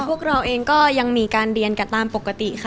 พวกเราเองก็ยังมีการเรียนกันตามปกติค่ะ